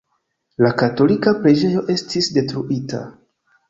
La katolika preĝejo estis detruita.